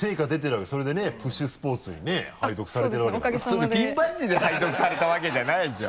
それピンバッジで配属されたわけじゃないでしょ。